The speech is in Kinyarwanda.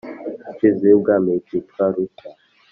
imfizi y'ubwami ikitwa rushya